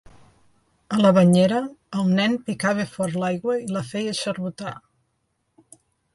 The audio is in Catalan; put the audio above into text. A la banyera, el nen picava fort l'aigua i la feia xarbotar.